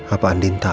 apa andin tau